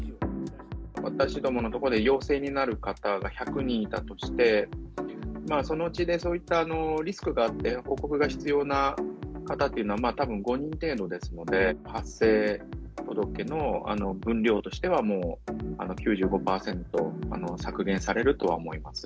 私どもの所で陽性になる方が１００人いたとして、そのうちでそういったリスクがあって、報告が必要な方というのは、たぶん５人程度ですので、発生届の分量としては、もう９５％削減されるとは思います。